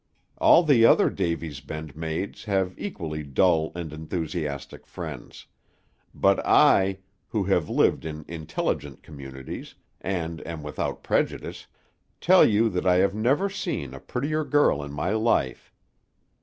All the other Davy's Bend maids have equally dull and enthusiastic friends; but I, who have lived in intelligent communities, and am without prejudice, tell you that I have never seen a prettier girl in my life.